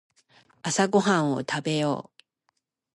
朝ごはんを食べよう。